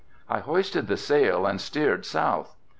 I hoisted the sail and steered south.